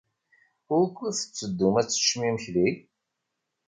Wukud tetteddum ad teččem imekli?